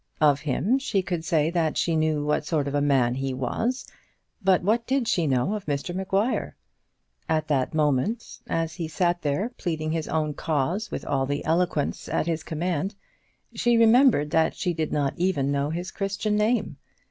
Of him she could say that she knew what sort of a man he was; but what did she know of Mr Maguire? At that moment, as he sat there pleading his own cause with all the eloquence at his command, she remembered that she did not even know his Christian name.